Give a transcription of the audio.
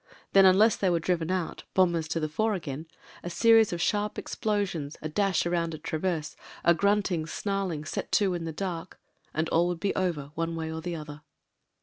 Then, un less they were driven out — ^bombers to the fore again : a series of sharp explosions, a dash round a traverse, a gnmting, snarling set to in the dark, and all would be over one way or the other.